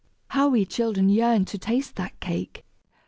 (How we children yearned to taste that cake!)